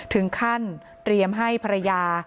ถึงขั้นเตรียมให้ภรรยา